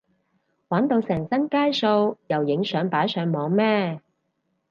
玩到成身街數又影相擺上網咩？